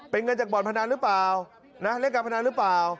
เป็นเงินจากบ่อนพนันหรือเปล่านะเล่นการพนันหรือเปล่า